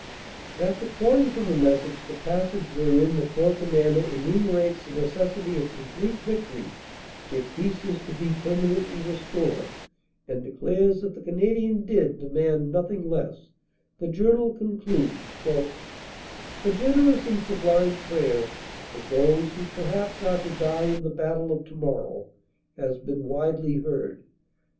After quoting from the message the passage wherein the Corps Commander enumerates the necessity of complete vic tory if peace is to be permanently restored and declares that the Canadian dead demand nothing less, the journal con cludes : "The generous and sublime prayer of those who per haps are to die in the battle of tomorrow has been widely heard.